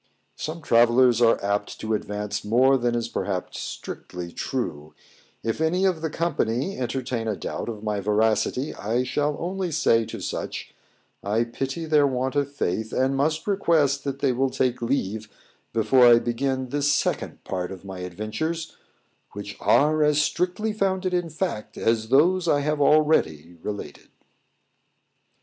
_Some travellers are apt to advance more than is perhaps strictly true; if any of the company entertain a doubt of my veracity, I shall only say to such, I pity their want of faith, and must request they will take leave before I begin the second part of my adventures, which are as strictly founded in fact as those I have already related.